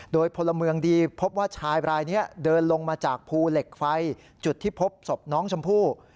โดยพลเมืองดีพบว่าชายรายนี้เดินลงมาจากภูเหล็กไฟจุดที่พบศพน้องชมพู่